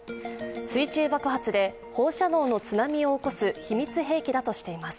水中爆発で放射能の津波を起こす秘密兵器だとしています。